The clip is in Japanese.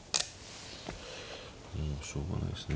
うんしょうがないっすね